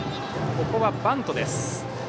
ここはバントです。